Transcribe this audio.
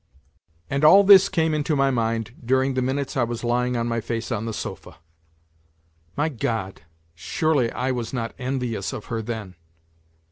... And all this came into my mind during the minutes I was lying on my face on the sofa. My God ! surely I was not envious of her then.